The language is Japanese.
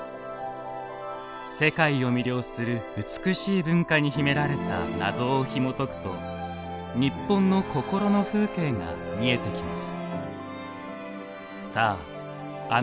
世界を魅了する美しい文化に秘められた謎をひもとくと日本の心の風景が見えてきます。